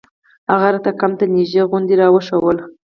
هغه راته کمپ ته نژدې غونډۍ راوښووله.